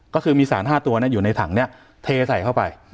ก็คือมีสาร๕ตัวอยู่ในถังนี้เทใส่เข้าไป